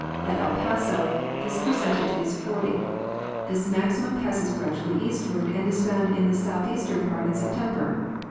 At El Paso this percentage is forty. This maximum passes gradually eastward and is found in the southeastern part in September.